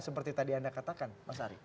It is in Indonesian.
seperti tadi anda katakan mas ari